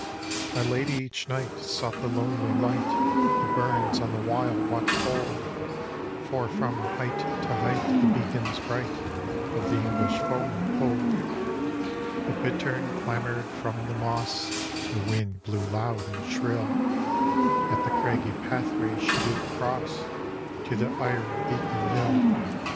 —" My lady each night, sought the lonely light, That bums on the wild Watchfold; For from height to height, the beacons bright Of the English focmen told. D,gt,, erihyGOOglC |. The Haunted Hour " The bittein damor'd from the moss, The wind blew loud and shrill; Yet the craggy pathway she did cross To the eiry Beacon Hill.